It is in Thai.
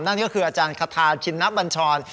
นั่นก็คืออาจารย์คาทาชินบัญชร